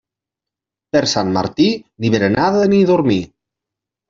Per Sant Martí, ni berenada ni dormir.